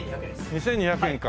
２２００円か。